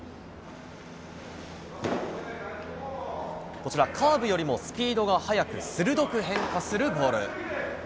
こちら、カーブよりもスピードが速く鋭く変化するボール。